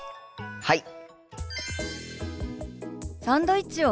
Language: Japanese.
はい！